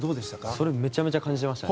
それ、めちゃめちゃ感じてましたね。